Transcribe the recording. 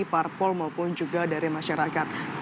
parpol maupun juga dari masyarakat